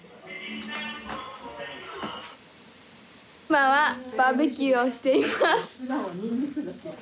今はバーベキューをしています。